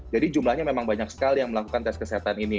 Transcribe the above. jadi jumlahnya memang banyak sekali yang melakukan tes kesehatan ini